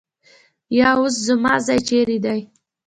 یا اوس زموږ ځای چېرې دی؟